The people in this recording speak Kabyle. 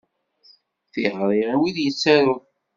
Tiɣri i wid yettarun.